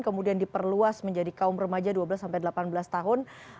kemudian diperluas menjadi kaum remaja dua belas delapan belas tahun